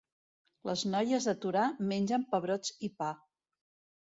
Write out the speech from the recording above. Les noies de Torà mengen pebrots i pa.